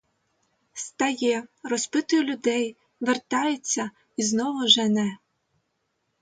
Стає, розпитує людей, вертається і знову жене.